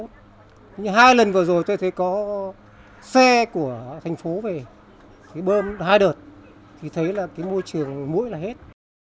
nhưng hai lần vừa rồi tôi thấy có xe của thành phố về bơm hai đợt thì thấy môi trường mũi là hết